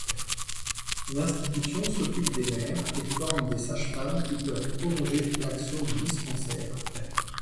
L'institution s'occupe des mères et forme des sages-femmes qui peuvent prolonger l'action du dispensaire.